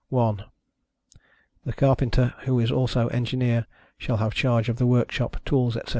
1. The Carpenter, who is also Engineer, shall have charge of the work shop, tools, etc.